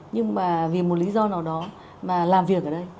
nhưng mà vì một lý do nào đó mà làm việc ở đây